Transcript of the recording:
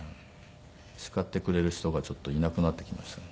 叱ってくれる人がちょっといなくなってきましたね。